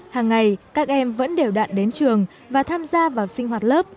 hàng ngày các em vẫn đều đạn đến trường và tham gia vào sinh hoạt lớp